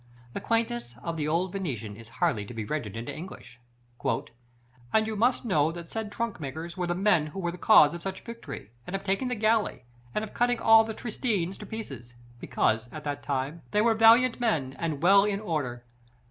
The quaintness of the old Venetian is hardly to be rendered into English. "And you must know that the said trunkmakers were the men who were the cause of such victory, and of taking the galley, and of cutting all the Triestines to pieces, because, at that time, they were valiant men and well in order.